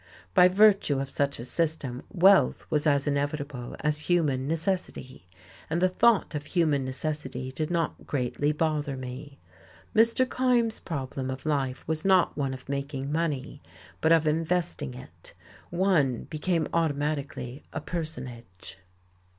By virtue of such a system wealth was as inevitable as human necessity; and the thought of human necessity did not greatly bother me. Mr. Kyme's problem of life was not one of making money, but of investing it. One became automatically a personage....